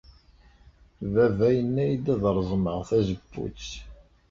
Baba yenna-iyi-d ad reẓmeɣ tazewwut.